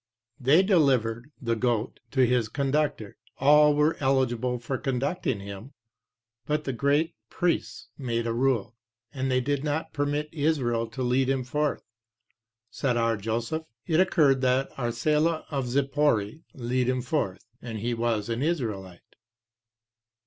They delivered (the goat) to his conductor. All were eligible for conducting him. But the great priests made a rule, and they did not permit Israel to lead him forth. Said R. Joseph, "it occurred that Arsela of Zippori lead him forth, and he was an Israelite."